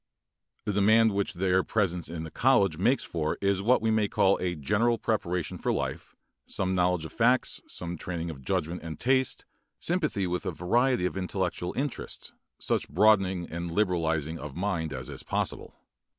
The demand which their presence in the college makes is for what we may call a general preparation for life, some knowledge of facts, some training of judgment and taste, sympathy with a variety of intellectual interests, such broadening and liberalizing of mind as is possible.